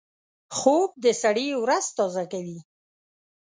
خوب د سړي ورځ تازه کوي